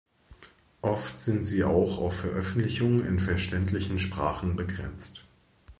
Oft sind sie auch auf Veröffentlichungen in verständlichen Sprachen begrenzt.